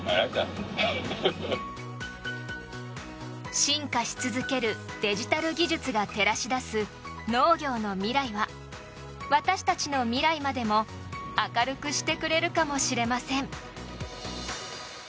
進化し続けるデジタル技術が照らし出す農業の未来は私たちの未来までも明るくしてくれるかもしれません。